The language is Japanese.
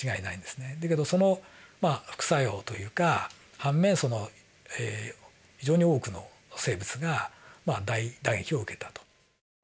だけどその副作用というか反面非常に多くの生物が大打撃を受けたと。